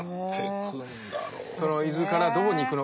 その伊豆からどこに行くのか？